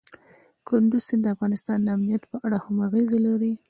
کندز سیند د افغانستان د امنیت په اړه هم اغېز لري.